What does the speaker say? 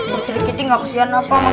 pak sergiti gak kesian apa sama kita